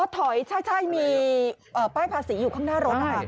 ถอยใช่มีป้ายภาษีอยู่ข้างหน้ารถ